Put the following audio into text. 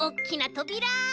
とびら？